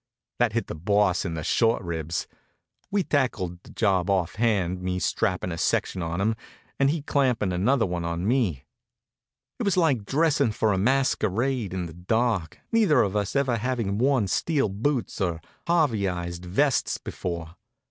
That hit the Boss in the short ribs. We tackled the job off hand, me strappin' a section on him, and he clampin' another on me. It was like dressing for a masquerade in the dark, neither of us ever having worn steel boots or Harveyized vests before.